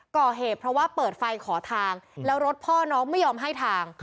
ก่อเหตุเพราะว่าเปิดไฟขอทางแล้วรถพ่อน้องไม่ยอมให้ทาง